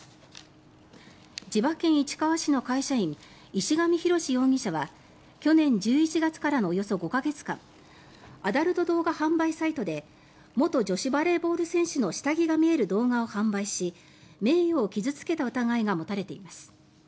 千葉県市川市の会社員石上浩志容疑者は去年１１月からのおよそ５か月間アダルト動画販売サイトで元女子バレーボール選手の下着が見える動画を販売し名誉を傷付けた疑いが持たれています。